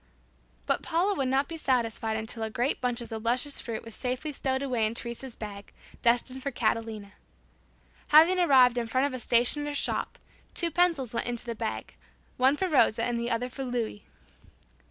But Paula would not be satisfied until a great bunch of the luscious fruit was safely stowed away in Teresa's bag, destined for Catalina. Having arrived in front of a stationer's shop, two pencils went into the bag, one for Rosa and the other for Louis.